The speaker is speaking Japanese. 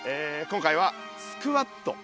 今回はスクワット！